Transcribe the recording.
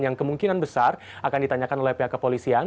yang kemungkinan besar akan ditanyakan oleh pihak kepolisian